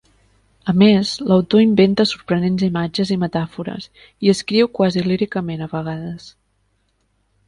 A més, l'autor inventa sorprenents imatges i metàfores, i escriu quasi líricament a vegades.